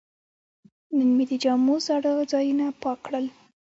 نن مې د جامو زاړه ځایونه پاک کړل.